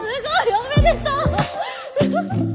おめでとう！